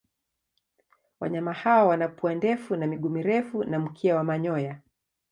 Wanyama hawa wana pua ndefu na miguu mirefu na mkia wa manyoya.